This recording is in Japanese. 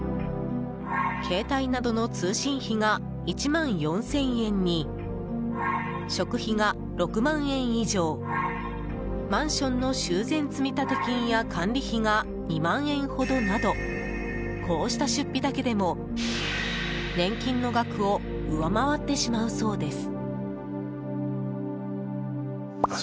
携帯などの通信費が１万４０００円に食費が６万円以上マンションの修繕積立金や管理費が２万円ほどなどこうした出費だけでも年金の額を上回ってしまうそうです。